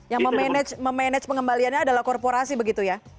yang memanage pengembaliannya adalah korporasi begitu ya